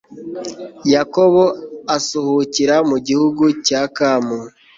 yakobo asuhukira mu gihugu cya kamu